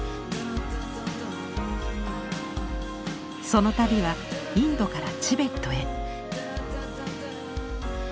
その旅はインドからチベットへ。